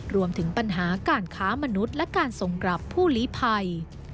รวมถึงปัญหาการค้ามนุษย์และการส่งกลับผู้ลีภัย